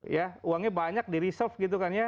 ya uangnya banyak di reserve gitu kan ya